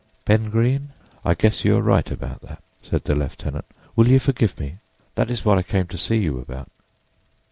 "Ben Greene, I guess you are right about that," said the lieutenant. "Will you forgive me? That is what I came to see you about."